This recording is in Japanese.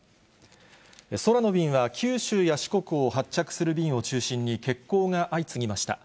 空の便は九州や四国を発着する便を中心に、欠航が相次ぎました。